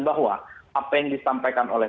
bahwa apa yang disampaikan oleh